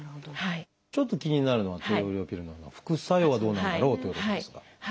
ちょっと気になるのは低用量ピルの副作用はどうなんだろうということですが。